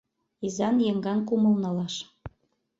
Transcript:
Изан-еҥган кумыл налаш